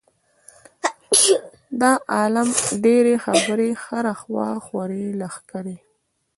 د عالم ډېرې خبرې هره خوا خورې لښکرې.